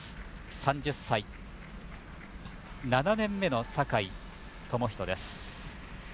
３０歳、７年目の酒居知史です。